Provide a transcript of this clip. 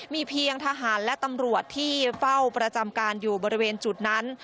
มีเพียงทหารและตำรวจที่เฝ้าประจำการอยู่บริเวณจุดนั้น